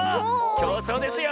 きょうそうですよ！